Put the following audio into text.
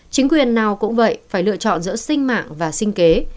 chính quyền nào cũng vậy phải lựa chọn giữa sinh mạng và sinh kế